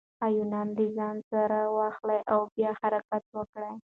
ایوانان له ځان سره واخلئ او بیا حرکت وکړئ.